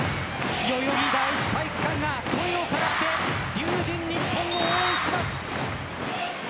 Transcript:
代々木第一体育館が声を枯らして龍神ＮＩＰＰＯＮを応援します。